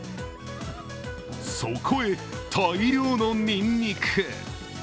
そこへ大量のにんにく。